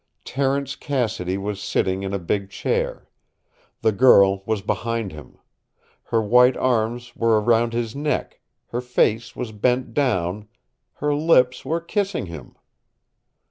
Terence Cassidy was sitting in a big chair. The girl was behind him. Her white arms were around his neck, her face was bent down, her lips were kissing him.